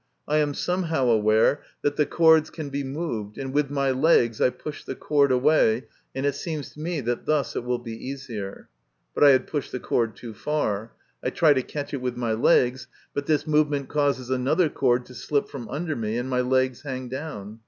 I am somehow aware that the cords can be moved, and with my legs I push the cord away, and it seems to me that thus it will be easier. But I had pushed the cord too far ; I try to catch it with my legs, but this movement causes another cord to slip from under me, and my legs hang down.